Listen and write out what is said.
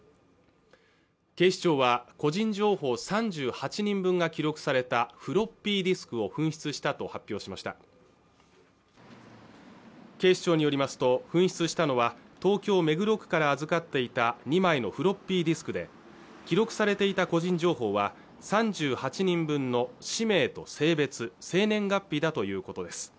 警視庁は個人情報３８人分が記録されたフロッピーディスクを紛失したと発表しました警視庁によりますと紛失したのは東京・目黒区から預かっていた２枚のフロッピーディスクで記録されていた個人情報は３８人分の氏名と性別生年月日だということです